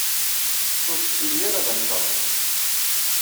Ur k-ttili ara d amceṛṛi!